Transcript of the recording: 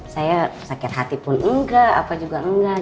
saya sakit hati pun enggak apa juga enggak